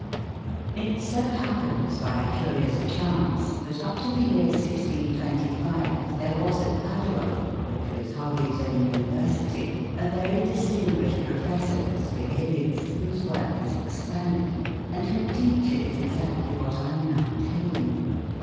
It so happens, by a curious chance, that up to the year 1625 there was at Padua, which was Harvey's own university, a very distinguished professor, Spigelius, whose work is extant, and who teaches exactly what I am now telling you.